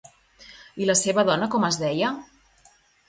I la seva dona com es deia?